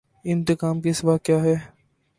انتقام کے سوا کیا ہے۔